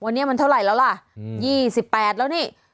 วันนี้มันเท่าไหร่แล้วล่ะ๒๘แล้วนี่